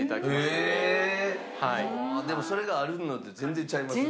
でもそれがあるのって全然ちゃいますね。